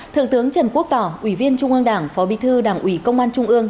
thượng tướng trần quốc tỏ ủy viên trung ương đảng phó bí thư đảng ủy công an trung ương